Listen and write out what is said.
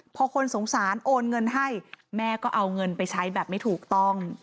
พอคนสงสารโอนเงินให้แม่ก็เอาเงินไปใช้แบบไม่ถูกต้อง